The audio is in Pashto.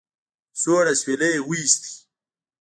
سوړ اسويلی يې ويست.